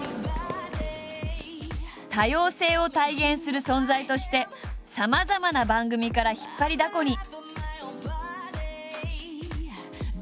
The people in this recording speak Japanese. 多様性を体現する存在としてさまざまな番組から引っ張りだこに。